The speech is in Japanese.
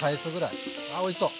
ああおいしそう！